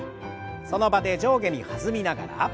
その場で上下に弾みながら。